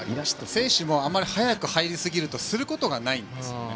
選手もあまり早く入るとすることがないんですよね。